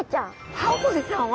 ハオコゼちゃんは